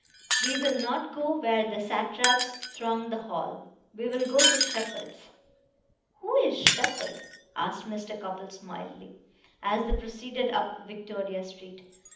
We will not go where the satraps throng the hall. We will go to Sheppard's." "Who is Sheppard?" asked Mr. Cupples mildly, as they proceeded up Victoria Street.